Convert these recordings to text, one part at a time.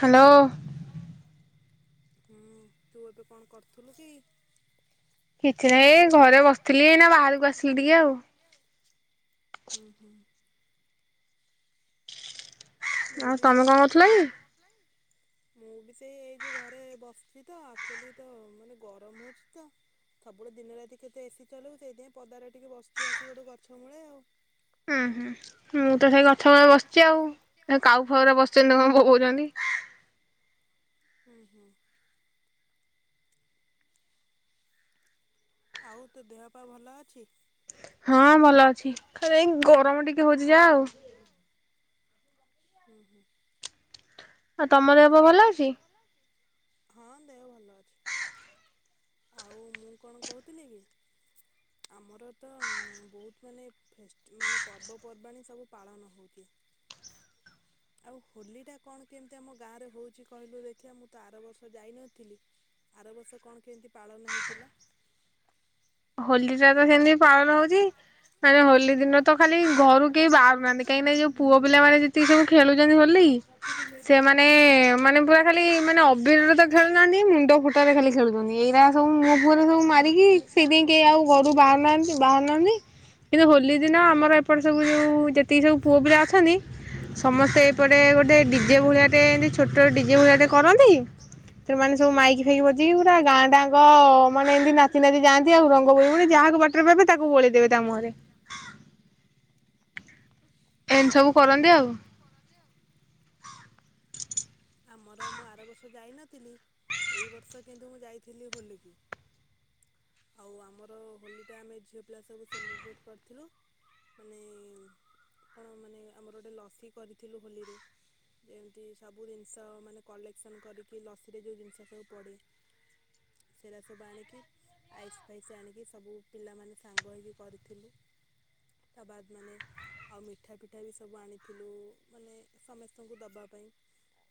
Hello ହୁଁ ତୁ ଏବେ କଣ କରୁଥିଲୁ କି? କିଛି ନାଇଁ ଘରେ ବସିଥିଲି, ଏଇନା ବାହାରକୁ ଆସିଲି ଟିକେ ଆଉ। ହୁଁ ହୁଁ, ଆଉ ତମେ କଣ କରୁଥିଲ କି! ମୁଁ ବି ସେଇ ଏଇ ଯୋଉଁ ଘରେ ବସିଛି ତ ଆକ୍ଚୁଆଲି ତ ମାନେ ଗରମ ହେଉଛି ତ ସବୁବେଳେ ଦିନ ରାତି କେତେ ଏସି ଚଲିବୁ ସେଇଥିପାଇଁ ପଦାରେ ଟିକେ ବସିଛି ଆସିକି ଗୋଟେ ଗଛ ମୂଳେ ଆଉ ହୁଁ ହୁଁ ମୁଁ ତ ସେଇ ଗଛ ମଳେ ବସିଛି ଆଉ କାଉ ଫରେ ବସିଛନ୍ତି କଣ ପଉଛନ୍ତି- ହୁଁ ହୁଁ ଆଉ ତୋ ଦେହ ପା ଭଲ ଅଛି- ହଁ ଭଲ ଅଛି ଖଲି ଏଇ ଗରମ ଟିକେ ହଉଛି ଯା ଆଉ- ହୁଁ ହୁଁ ଆଉ ତମ ଦେହବ ଭଲ ଅଛି- ହଁ ଦେହ ଭଲ ଅଛି, ଆଉ ମୁଁ କଣ କହୁଥିଲି କି ଆମର ତ ବହୁତ ମାନେ ଫେ ମାନେ ପର୍ବପର୍ବାଣି ସବୁ ପାଳନ ହେଉଛି। ଆଉ ହୋଲିଟା କଣ କେମିତି ଆମ ଗାଁରେ ହେଉଛି କହିଲୁ ଦେଖିବା ମୁଁ ତ ଆର ବର୍ଷ ଯାଇନଥିଲି ଆର ବର୍ଷ କଣ କେମିତି ପାଳନ ହେଇଥିଲା। ହୋଲି ଟା ତ ସେମିତି ପାଳନ ହଉଛି, ମାନେ ହୋଲି ଦିନ ତ ଖାଲି ଘରୁ କେହି ବାହାରୁନାହାନ୍ତି କାହିଁକି ନା ଯୋଉ ପୁଅ ପିଲା ମାନେ ଯେତିକି ସବୁ ଖେଳୁଛନ୍ତି ହୋଲି ସେମାନେ ମାନେ ପୁରା ଖାଲି ମାନେ ଅବିରରେ ତ ଖେଳୁନାହାନ୍ତି ମୁଣ୍ଡ ଫୁଟରେ ଖାଲି ଖେଳୁଛନ୍ତି ଏଇଟା ସବୁ ମୋ ପୁଅରେ ସବୁ ମାରିକି- ସେଦ କେହି ଆଉ ଘରୁ ବାହାରୁନାହାନ୍ତି ବାହନାହାନ୍ତି କିନ୍ତୁ ହୋଲି ଦିନ ଆମର ଏପଟେ ସବୁ ଯେଉଁ ଯେତିକି ସବୁ ପୁଅ ପିଲା ଅଛନ୍ତି, ସମସ୍ତେ ଏପଟେ ଗୋଟେ ଡିଜେ ଭଳିଆଟେ ଏମତି ଛୋଟ ଡିଜେ ଭଳିଆଟେ କରନ୍ତି ତେଣମାନେ ସବୁ ମାଇକି ଫାଇକି ବଜିକି ପୁରା ଗାଁ ଟାଙ୍କ- ମାନେ ଏମି ନାଚତି ନା- ଆଉ ରଙ୍ଗ ଭର ଯାହାକୁ ବାଟରେ ପାଇବେ ତାକୁ ବଳେଇଦେବେ ତା ମୁହଁରେ- ଏମିତି ସବୁ କରନ୍ତି ଆଉ- ଆମର ମୁଁ ଆର ବର୍ଷ ଯାଇନଥିଲି ଏଇ ବର୍ଷ କିନ୍ତୁ ମୁଁ ଯାଇଥିଲି, ହୋଲିକି ଆଉ ଆମର ହୋଲିଟା ଆମେ ଝିଅ ପିଲା ସବୁ ସେଲିବ୍ରେଟ୍ କରିଥିଲୁ ମାନେ କଣ ମାନେ ଆମର ଗୋଟେ ଲସି କରିଥିଲୁ ହୋଲିରେ ଯେମିତି ସବୁ ସବୁ ଜିନିଷ ମାନେ କଲେକ୍ସନ୍ କରିକି ଲସିରେ ଯେଉଁ ଜିନିଷ ସବୁ ପଡ଼େ ସେଇଟା ସବୁ ଆଣିକି ଆଇସ୍ ଫାଇସ୍ ଆଣିକି ସବୁ ପିଲାମାନେ ସାଙ୍ଗ ହୋଇଇକି କରିଥିଲୁ ତା ବାଦ ମାନେ ଆଉ ମିଠା ପିଠା ବି ସବୁ ଆଣିଥିଲୁ ମାନେ ସମସ୍ତଙ୍କୁ ଦେବା ପାଇଁ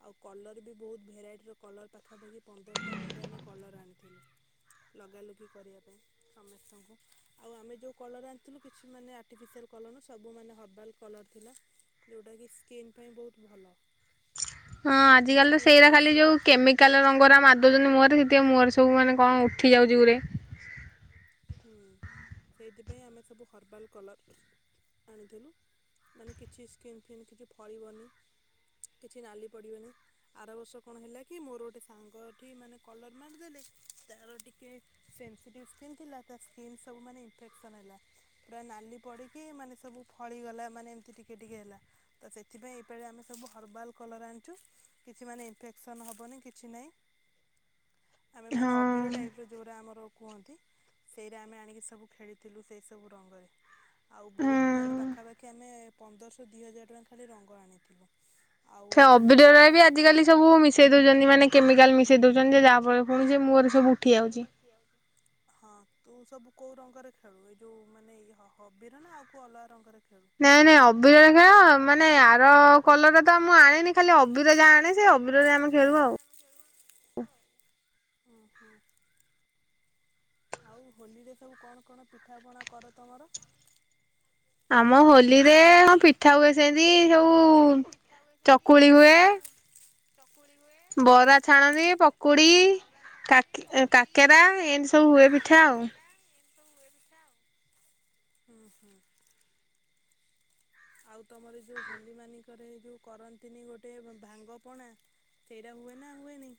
ଆଉ କଲର ବି ବହୁତ ଭେରାଇଟିର କଲର୍ ପାଖାପାଖି ପନ୍ଦରଟା ଖଣ୍ଡେ ଆମେ କଲର ଆଣିଥିଲୁ, ଲଗାଲୁଗି କରିବା ପାଇଁ ସମସ୍ତଙ୍କୁ ଆଉ ଆମେ ଯେଉଁ କଲର୍ ଆଣିଥିଲୁ କିଛି ମାନେ ଆର୍ଟିଫିସିଆଲ କଲରନୁ ସବୁ ମାନେ ହର୍ବାଲ କଲର୍ ଥିଲା ଯେଉଁଟାକି ସ୍କିନ୍ ପାଇଁ ବହୁତ ଭଲ ହଁ ଆଜିକାଲି ତ ସେଇଟା ଖାଲି ଯୋଉ କେମିକାଲ ରଙ୍ଗର ମ ଦଉଛନ୍ତି ମୁହଁରେ ଏ ମୋର ସବୁ ମାନେ କଣ ଉଠି ଯାଉଛି ଗୋରେ। ହୁଁ ସେଇଥିପାଇଁ ଆମେ ସବୁ ହର୍ବାଲ୍ କଲର୍ ଆଣିଥିଲୁ ମାନେ କିଛି ସ୍କିନ୍ ଫିନ୍ କିଛି ଫଳିବନି କିଛି ନାଲି ପଡ଼ିବନି ଆର ବର୍ଷ କଣ ହେଲା କି ମୋର ଗୋଟେ ସାଙ୍ଗଠି ମାନେ କଲର୍ ମାରିଦେଲେ ତାର ଟିକେ ସେନ୍ସିଟିଭ୍ ସ୍କିନ୍ ଥିଲା। ତା ସ୍କିନ୍ ସବୁ ମାନେ ଇନଫେକ୍ସନ୍ ହେଲା ପୁରା ନାଲି ପଡ଼ିକି ମାନେ ସବୁ ଫଳିଗଲା ମାନେ ଏମିତି ଟିକେ ଟିକଏ ହେଲା ତ ସେଥିପାଇଁ ଏଇପଳି ଆମେ ସବୁ ହର୍ବାଲ୍ କଲର୍ ଆଣିଛୁ କିଛି ମାନେ ଇନଫେକ୍ସନ୍ ହେବନି କିଛି ନାହିଁ। ଆମେ ମାନେ ଅବିର ଟାଇପ ର ଯୋଉଟା ଆମର କୁହନ୍ତି ସେଇରେ ଆମେ ଆଣିକି ସବୁ ଖେଳିଥିଲୁ ସେଇ ସବୁ ରଙ୍ଗରେ ଆଉ ବହୁତ ମାନେ ପାଖାପାଖି ଆମେ ପନ୍ଦରଶହ ଦୁଇ ହଜାର ଟଙ୍କା ଖାଲି ରଙ୍ଗ ଆଣିଥିଲୁ। ସେ ଅବିରରେ ବି ଆଜିକାଲି ସବୁ ମିଶେଇ ଦଉଛନ୍ତି ମାନେ କେମିକାଲ ମିଶେଇ ଦଉଛନ୍ତି ଯେ ଯାହା ଫଳ ପୁଣି ଯେ ମୁଁର ସବୁ ଉଠି ଯାଉଛି। ତୁ ସବୁ କୋଉ ରଙ୍ଗରେ ଖେଳୁ ଏଇ ଯୋଉ ମାନେ ଏଇ ଅବିରରେ ନା ଆଉ ଅଲଗା ରଙ୍ଗରେ ନାଇଁ ନାଇଁ ଅବିରରେ ଖେଳ ମାନେ ଆର କଲର ତ ମୁଁ ଆଣେନି ଖାଲି ଅବିର ଯାହା ଆଣେ ସେ ଅବିରରେ ଆମେ ଖେଳୁ ଆଉ। ଓହୋ। ଆଉ ହୋଲିରେ ସବୁ କଣ କଣ ପିଠାପଣା କର ତୁମର? ଆମ ହୋଲିରେ ହଁ ପିଠା ହୁଏ ସେମିତି ସବୁ ଚକୁଳି ହୁଏ। ବରା ଛାଣନୀ ପକୁଡିା କାକେରା ଏମିତି ସବୁ ହୁଏ ପିଠା ଆଉ ହୁଁ ହୁଁ ଆଉ ତମର ଯେଉଁ ହୋଲି ମାନଙ୍କରେ ଯେଉଁ କରନ୍ତିନି ଗୋଟେ ଭାଙ୍ଗପଣା ସେଇଟା ହୁଏ ନା ହୁଏନି?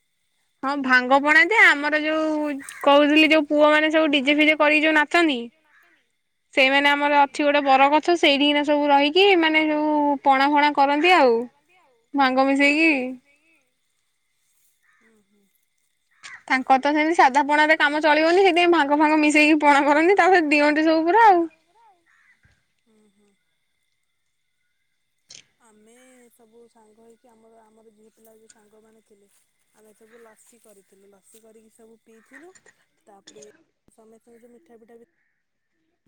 ହଁ ଭାଙ୍ଗ ହପଣା ଯେ ଆମର ଯୋଉ କହୁଥିଲି ଯୋଉ ପୁଅ ମାନେ ସବୁ ଡିଜେ ଫିଜେ କରିକି ଯୋଉ ନାଚନ୍ତିି ସେଇମାନେ ଆମର ଅଛି ଗୋଟେ ବର କଛ ସେଇଠିନା ସବୁ ରହିକି ମାନେ ସବୁ ପଣା ଫଣା କରନ୍ତି ଆଉ ଭାଙ୍ଗ ମିଶେଇକି ହୁଁ ହୁଁ ତାଙ୍କର ତ ସେତି ସାଧା ପଣାରେ କାମ ଚଳିବନି। ସେଇଥିାଇଁ ଭାଙ୍ଗ ଫାଙ୍ଗ ମିଶେଇକି ପଣା କରନ୍ତି ତା ସହିରେ ଦିଅନ୍ତି ସବୁ ପରେ ଆଉ ହୁଁ। ଆମେ ସବୁ ସାଙ୍ଗ ହେଇକି ଆମର ଆମର ଝିଅ ପିଲା ଯେଉ ସାଙ୍ଗମାନେ ଥିଲେ ଆମେ ସବୁ ଲସି କରିଥିଲୁ ଲସି କରିକି ସବୁ ପିଇଥିଲୁ ତାପରେ ସମେସ୍ତ ଯେଉଁ ମିଠା ପିଠା ବି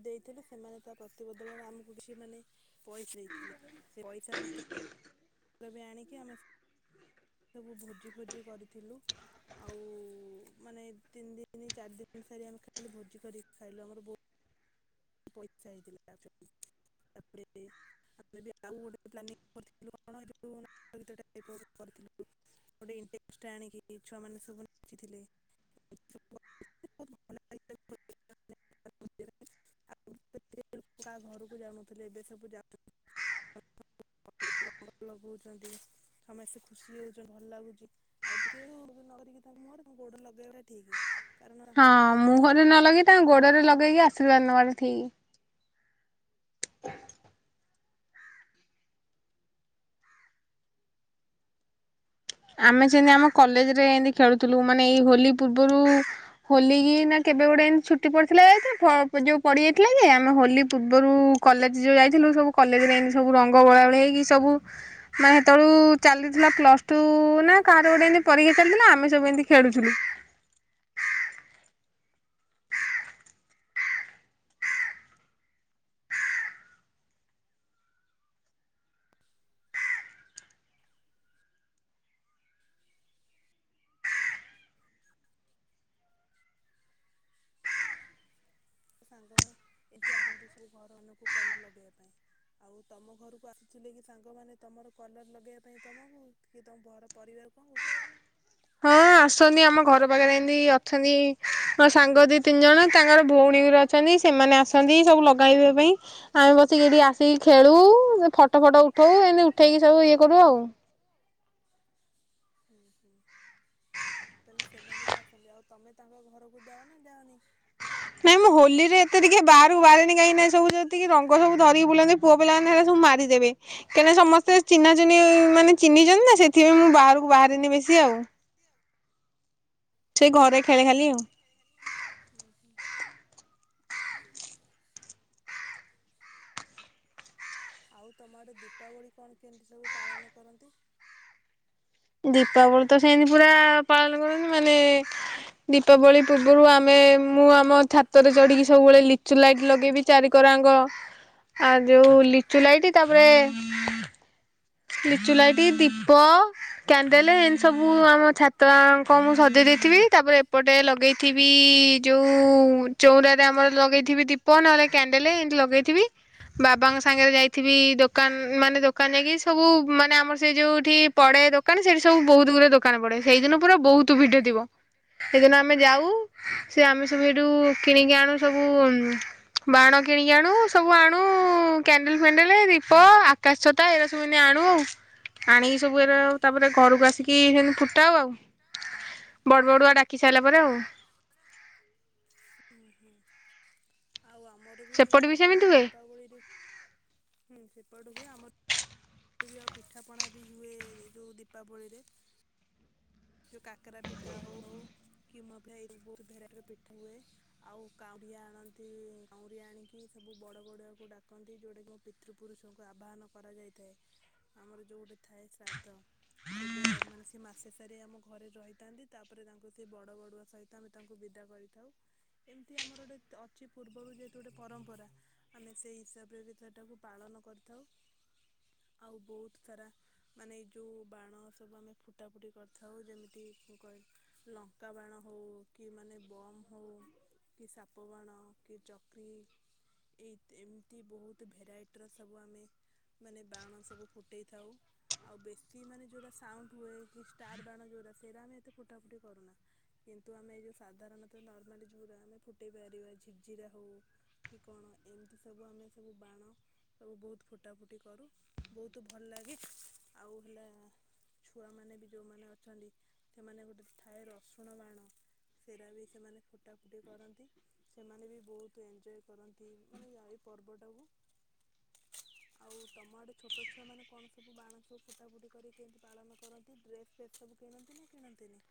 ଦେଇଥିଲେ ସେମାନେ ତା ପ୍ରତିବଦଳରେ ଆମକୁ କିଛି ମାନେ ପଇସ ଦେଇଥିଲେ। ସେ ପଇସା ପତ୍ର ଲ ବି ଆଣିକି ଆମେ ସବୁ ଭୋଜି ଭୋଜି କରିଥିଲୁ ଆଉ ମାନେ ତିନି ଦିନ ଚାରି ଦିନ ସାରି ଆମେ ଖାଲି ଭୋଜି କରିକି ଖାଇଲୁ ଆମର ବହୁତ। ପଇସା ହେଇଥିଲା ତା ତାପରେ ଆମେ ବି ଆଉ ଗୋଟେ ପ୍ାନ କରିଥିଲ କଣଥିଲ ଗୋଟେ ଆଣିକି ଛୁଆମାନେ ସବୁ ନାଚିଥିଲେ। ଆଉ କାହା ଘରକୁ ଯାଉନଥିଲେ ଏବେ ସବୁାଉଙ୍ଗ ଲଗଉଛନ୍ତି ସମସ୍ତେ ଖୁସି ହଉଛନ୍ତି ଭଲ ଲାଗୁଛି ଆଉ ଟିକେ ନ କରରିକି ତା ମୁହଁରେ ଗୋଡ ଲଗେଇବା ଠିକ ହଁ ମୁହଁରେ ନ ଲଗେଇ ତାଙ୍କ ଗୋଡରେ ଲଗେଇକି ଆସ। ଠିକ [inaudible] ଆମେ ସେମିତି ଆମ କଲେଜ ରେ ଏମତି ଖେଳୁଥିଲୁ ମାନେ ଏଇ ହୋଲି ପୂର୍ବରୁ ହୋଲି କି ନା କେବେ ଗୋଟେ ଏମତି ଛୁଟି ପଡିଥିଲା ଯୋଉ ପଡି ଯାଇଥିଲା ଯେ ଆମେ ହୋଲି ପୂର୍ବରୁ କଲେଜରେ ଯୋଉ ଯାଇଥିଲୁ ସବୁ। କଲେଜରେ ଏମିତି ସବୁ ରଙ୍ଗ ବୋଳାବେଳି ହେଇକି ସବୁ ମାନେ ସେତେବେଳୁ ଚାଲିଥିଲା ପ୍ଲସ୍ ତୁ ନା କାହାର ଗୋଟେ ଏମିତି ପରୀକ୍ଷା ଚାଲିଥିଲା ଆମେ ସବୁ ଏମିତି ଖେଳୁଥିଲୁ। ସାଙ୍ଗ ପାଇଁାଇ ଏତେ ଆସନ୍ତି ସବୁ ଘରମାନଙ୍କୁ କଲର୍ ଲଗେଇବା ପାଇଁ ଆଉ ତମ ଘରକୁ ଆସୁଥିଲେ କି ସାଙ୍ଗମାନେ ତମର କଲର ଲଗେଇବା ପାଇଁ ତୁମକୁ କି ତମ ଘର ପରିବାର ଲୋକଙ୍କୁ। ହଁ ଆସନ୍ତି ଆମ ଘର ପାଖରେ ଏମିତି ଅଛନ୍ତି ମୋ ସାଙ୍ଗ ଦି ତିନି ଜଣ ତାଙ୍କର ଭଉଣୀରେ ଅଛନ୍ତି ସେମାନେ ଆସନ୍ତି ସବୁ ଲଗେଇବା ପାଇଁ ଆମେ ବସିକି ଟିକି ଆସିକି ଖେଳୁ ଫଟୋ ଫଟ ଉଠାଉ ଏମିତି ଉଠେଇକି ସବୁ ଇଏ କରୁ ଆଉ। ହୁଁ ହୁଁ ତାହେଲେ ସେମାନେ ବି ଆସନ୍ତି ଆଉ ତମେ ତାଙ୍କ ଘରକୁ ଯାଅ ନା ଯାଅନି? ନାଇଁ ମୁଁ ହୋଲିରେ ଏତେ ଟିକେ ବାହାର କୁ ବାହାରେନି। କାହିଁକି ନା ଏ ସବୁ ଯେତିକି ରଙ୍ଗ ସବୁ ଧରିକି ବୁଲନ୍ତି ପୁଅ ପିଲାମାନେ ହେରା ସବୁ ମାରିଦେବେ କାହିଁକି ସମସ୍ତେ ଚିହ୍ନା ଚିହ୍ନି ମାନେ ଚିହ୍ନିଚନ୍ତି ନା ସେଥିପାଇଁ ମୁଁ ବାହାରକୁ ବାହାରିନି ବେଶି ଆଉ। ସେଇ ଘରେ ଖେଳେ ଖାଲି ଆଉ। ଆଉ ତମ ଆଡେ ଦୀପାବଳି କଣ କେମିତି ସବୁ ପାଳନ କରନ୍ତି? ଦୀପାବଳି ତ ସେମତି ପୁରା ପାଳନ କରୁନୁ ମାନେ ଦୀପାବଳି ପୂର୍ବରୁ ଆମେ ମୁଁ ଆମ ଛାତରେ ଚଢିକି ସବୁବେଳେ ଲିଚୁ ଲାଇଟ ଲଗେଇବି ଚାରିିକରାଙ୍କ ଆ ଯୋଉ ଲିଚୁ ଲାଇଟ୍ ତାପରେ ଲିଚୁ ଲାଇଟ୍ ଦୀପ କ୍ୟାଣ୍ଡେଲ ଏମିତି ସବୁ ଆମ ଛାତ ଆଙ୍କ ମୁଁ ସଜେଇ ଦେଇଥିବି ତାପରେ ଏପଟେ ଲଗେଇଥିବି ଯୋଉ ଚଉଁରାରେ ଆମର ଲଗେଇଥିବି ଦୀପ ନହେଲେ କ୍ୟାଣ୍ଡେଲ ଏମତି ଲଗେଇଥିବି ବାବାଙ୍କ ସାଙ୍ଗରେ ଯାଇଥିବି ଦୋ କାନ ମାନେ ଦୋକାନ ଯାଇକି ସବୁ ମାନେ ଆମର ସେ ଯୋଉଠି ପଡେ ଦୋକାନ ସେଇଠି ସବୁ ବୋହୁତ ଗୁଡେ ଦୋକାନ ପଡେ। ସେଇଦିନ ପୁରା ବୋହୁତ ଭିଡ ଥିବ ସେଦିନ ଆମେ ଯାଉ ସେ ଆମେ ସବୁ ହେଟୁ କିଣିକି ଆଣୁ ସବୁ ବାଣ କିଣିକି ଆଣୁ ସବୁ ଆଣୁ କ୍ୟାଣ୍ଡେଲ ଫେଣ୍ଡେଲ ଦୀପ ଆକାଶଛତା ଏ ସବୁ ଏମିତି ଆଣୁ ଆଣିକି ସବୁ ଏରା ତାପରେ ଘରକୁ ଆସିକି ସେମତି ଫୁଟାଉ ଆଉ ବଡ ବଡୁଆ ଡାକି ସାରିଲା ପରେ ଆଉ। ଆଉ ଆମର ବି କଣ କହିଲ ଦୀପାବଳିରେ ହୁଁ ସେପଟୁ ହୁଏ ଆମ ର ବି ଆଉ ପିଠାପଣା ବି ହୁଏ ଯୋଉ ଦୀପାବଳିରେ। ଯୋଉ କାକରା ପିଠା ହୋଉ କି [unintelligible] ଏଇ ବୋହୁତ ଭେରାଇଟିର ପିଠା ହୁଏ ଆଉ କାଉଁରିଆ ଆଣନ୍ତି। କାଉଁରିଆ ଆଣିକି ସବୁ ବଡ ବଡୁଆକୁ ଡାକନ୍ତି। ଯେଉଟାକି ମୋ ପିତୃପୁରୁଷଙ୍କୁ ଆବାହନ କରାଯାଇଥାଏ ଆମର ଯୋଉ ଗୋଟେ ଥାଏ ଶ୍ରାଦ୍ଧ ସେବେ ଆ ମାନେ ସିଏ ମାସେ ତାପରେ ଆମ ଘରେ ରହିଥାନ୍ତି ତାପରେ ତାଙ୍କୁ ସେ ବଡ ବଡୁଆ ସହିତ ଆମେ ତାଙ୍କୁ ବିଦା କରିଥାଉ ଏମିତି ଆମର ଗୋଟେ ଅଛି ପୂର୍ବରୁ ଯେହେତୁ ଗୋଟେ ପରମ୍ପରା ଆମେ ସେଇ ହିସାବରେ ବି ସେଟାକୁ ପାଳନ କରିଥାଉ ଆଉ ବୋହୁତ ସାରା ମାନେ ଏ ଯୋଉ ବାଣ ସବୁ ଆମେ ଫୁଟାଫୁଟି କରିଥାଉ ଯେମିତି କହି ଲଙ୍କା ବାଣ ହୋଉ କି ମାନେ ବମ୍ ହେଉ କି ସାପ ବାଣ କି ଚକ୍ରି ଏଇ ଏମିତି ବୋହୁତ ଭେରାଇଟିର ସବୁ ଆମେ ମାନେ ବାଣ ସବୁ ଫୁଟେଇ ଥାଉ ଆଉ ବେଶୀ ମାନେ ଯୋଉରା ସାଉଣ୍ଡ ହୁଏ କି ଷ୍ଟାର ବାଣ ଯୋଉରା ସେଇରା ଆମେ ଏତେ ଫୁଟାଫୁଟି କରୁନା କିନ୍ତୁ ଆମେ ଯେଉଁ ସାଧାରଣତଃ ନର୍ମାଲି ଯୋଉରି ଆମେ ଫୁଟେଇ ପାରିବା ଝିଝିରା ହେଉ କି କଣ ଏମିତି ସବୁ ଆମେ ସବୁ ବାଣ ସବୁ ବୋହୁତ ଫୁଟାଫୁଟି କରୁ ବୋହୁତ ଭଲ ଲାଗେ ଆଉ ହେଲା ଛୁଆମାନେ ବି ଯେଉଁମାନେ ଅଛନ୍ତି ସେମାନେ ଗୋଟେ ଥାଏ ରସୁଣ ବାଣ ସେରା ବି ସେମାନେ ଫୁଟାଫୁଟି କରନ୍ତି ସେମାନେ ବି ବୋହୁତ ଏଞ୍ଜୟ କର ନ୍ତି ମାନେ ଆ ଏଇ ପର୍ବଟାକୁ ଆଉ ତମ ଆଡେ ଛୋଟ ଛୁଆ ମାନେ କଣ ସବୁ ବାଣ ସବୁ ଫୁଟା ଫୁଟି କରିକି କେମତି ପାଳନ କରନ୍ତି ଡ୍ରେସ ସେ ସବୁ କିଣନ୍ତି ନା କିଣନ୍ତିନି?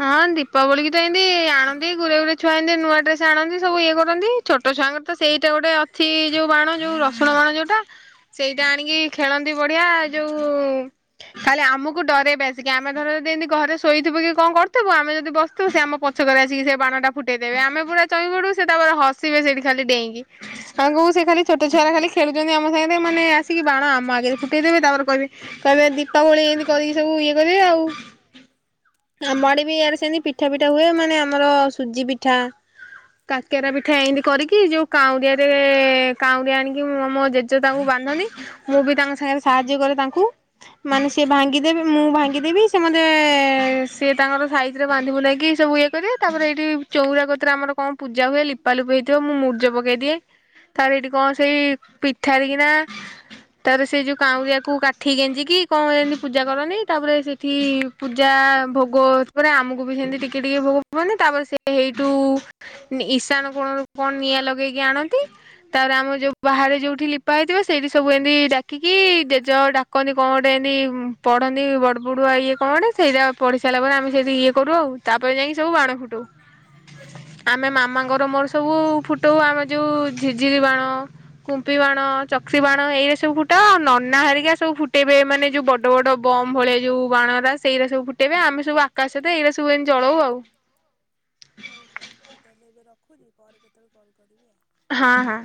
ହଁ ଦୀପାବଳିକୁ ତ ଏମତି ଆଣନ୍ତି ଗୁରେ ଗୁରେ ଛୁଆ ଏମତି ନୂଆ ଡ୍ରେସ ଆଣନ୍ତି ସବୁ ଇଏ କରନ୍ତି ଛୋଟ ଛୁଆଙ୍କର ତ ସେଇଟା ଗୋଟେ ଅଛି ଯୋଉ ବାଣ ଯୋଉ ରସୁଣ ବାଣ ଯୋଉଟା ସେଇଟା ଆଣିକି ଖେଳନ୍ତି ବଢିଆ ଯୋଉ ଖାଲି ଆମକୁ ଡରେଇବେ ଆସିକି ଆମେ ଧର ଯଦି ଏମିତି ଘରେ ଶୋଇଥିବ କି କଣ କରୁଥିବୁ ଆମେ ଯଦି ବସିଥିବବୁ ସେ ଆମ ପଛକରେ ଆସିକି ସେ ବାଣ ଟା ଫୁଟେଇଦବେ ଆମେ ପୁରା ଚମକି ପଡିବୁ ସେ ତାପରେ ହସିବେ ସେଇଠି ଖାଲିଡେଇଁକି ତାଙ୍କୁ ସେ ଖାଲି ଛୋଟ ଛୁଆର ଖାଲି ଖେଳୁଛନ୍ତି ଆମ ସାଙ୍ଗରେ ମାନେ ଆସିକି ବାଣ ଆମ ଆଗରେ ଫୁଟେଇଦେବେ ତାପରେ କହିବେ କହିବେ ଦୀପାବଳି ଏମିତି କରିକି ସବୁ ଇଏ କରିବେ ଆଉ। ଆମ ଆଡେ ବି ଇଆଡ଼େ ସେମିତି ପିଠା ପିଠା ହୁଏ ମାନେ ଆମର ସୁଜି ପିଠା କାକେରା ପିଠା ଏମିତି କରିକି ଯୋଉ କାଉଁରିଆରେ କାଉଁରିଆ ଆଣିକି ମୋ ଜେଜେ ତାଙ୍କୁ ବାନ୍ଧନ୍ତି ମୁଁ ବି ତାଙ୍କ ସାଙ୍ଗରେ ସାହାଯ୍ୟ କରେ ତାଙ୍କୁ ମାନେ ସେ ଭାଙ୍ଗିଦେବି ମୁଁ ଭାଙ୍ଗିଦେବି ସେ ମତେ ସିଏ ତାଙ୍କର ସାଇଜରେ ବାନ୍ଧିବୁ ବୁନ୍ଧାକି ସବୁ ଇଏ କରିବା ତାପରେ ଏଇଠି ଚଉରା କତିରେ ଆମର କଣ ପୂଜା ହୁଏ ଲିପା ଲୁପି ହେଇ ଥିବ ମୁଁ ମୁର୍ଜ ପକେଇ ଦିଏ ତାରେ ଏଇଠି କଣ ସେଇ ପିଠାରେ କିନା ତାପରେ ସେଇ ଯୋଉ କାଉଁରିଆକୁ କାଠି ଗେଞ୍ଜିକି କଣ ଏମିତି ପୂଜା କରନ୍ତି ତାପରେ ସେଠି ପୂଜା ଭୋଗ ଭୋଗ ପରେ ଆମକୁ ବି ସେମତି ଟିକେ ଟିକେ ଭୋଗ ପବନି ତାପରେ ସେ ହେଇଠୁ ଇଶାନ କୋଣରେ କଣ ନିଆଁ ଲଗେଇକି ଆଣନ୍ତି ତାପରେ ଆମର ଯୋଉ ବାହାରେ ଯୋଉଠି ଲିପା ହେଇଥିବ ସେଇଠି ସବୁ ଏମିତି ଡାକିକି ଜେଜ ଡାକନ୍ତି କଣ ଗୋଟେ ଏମତି ପଢନ୍ତି ବଡ ବଡୁଆ ଇଏ କଣ ଗୋଟେ ସେଇଟା ତାପରେ ଆମେ ସେଇଠି ଇଏ କରୁ ଆଉ ତାପରେ ଯାଇଁକି ସବୁ ବାଣ ଫୁଟଉ ଆମେ ମାମାଙ୍କର ମୋର ସବୁ ଫୁଟଉ ଆମର ଯୋଉ ଝିଝରି ବାଣ କୁମ୍ପି ବାଣ ଚକ ବାଣ ଏଇରେ ସବୁ ଫୁଟ ଆଉ ନନା ହେରିକା ସବୁ ଫୁଟେଇବେ ମାନେ ଯୋଉ ବଡ ବଡ ବମ ଭଳିଆ ଯୋଉ ବାଣ ଟ ସେଇରେ ସବୁ ଫୁଟ ଏବେ ଆମେ ସବୁ ଆକାଶ ଛତା ଏଇରା ସବୁ ଏମିତି ଜଳଉ ଆଉ। ରଖୁଚି ପରେ କେତେ କେତେବେଳେ କଲ କରିବି ଆଉ। ହଁ ହଁ।